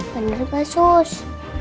bener gak sus